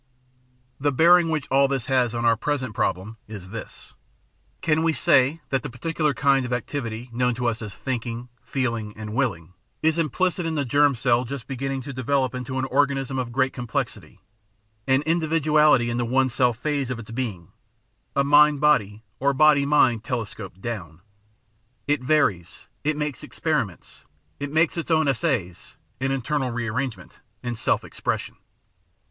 The bearing which all this has on our present problem is this: can we say that the particular kind of activity known to us as thinking, feeling, and willing is implicit in the germ cell just beginning to develop into an organism of great complexity — an individuality in the one cell phase of its being, a mind body or body mind telescoped down. It varies, it makes experiments, it makes its own essays (in internal rearrangement) in self expression.